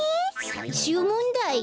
さいしゅうもんだい？